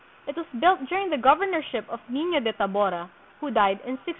It was built during the governor ship of Nino de Tabora, who died in 1632.